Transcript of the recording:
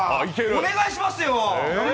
お願いしますよ。